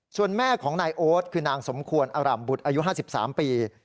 ส่วนแม่ของนายโอ๊ตคือนางสมควรอร่ำบุตรอายุ๕๓ปี